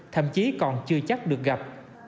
thậm chí còn chưa chắc được gặp